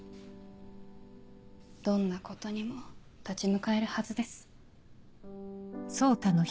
どんなことにも立ち向かえるはずです。